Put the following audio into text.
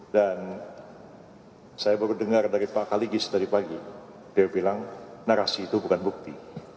dan saya baru dengar dari pak kaligis tadi pagi dia bilang narasi itu bukan bukti